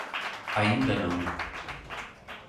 Aínda nón.